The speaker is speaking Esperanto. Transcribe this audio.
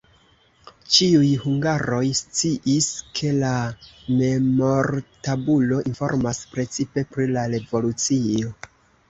Ĉiuj hungaroj sciis, ke la memortabulo informas precipe pri la revolucio.